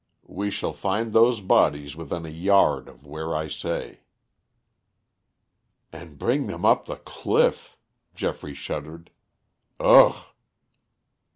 We shall find those bodies within a yard of where I say." "And bring them up the cliff," Geoffrey shuddered. "Ugh!"